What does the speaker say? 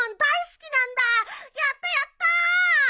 やったやった！